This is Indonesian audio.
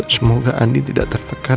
semoga andin tidak tertekan